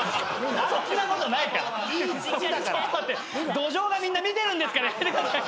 土壌がみんな見てるんですからやめてください！